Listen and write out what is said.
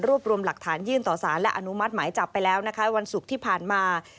รวมรวมหลักฐานยื่นต่อสารและอนุมัติหมายจับไปแล้วนะคะวันศุกร์ที่ผ่านมา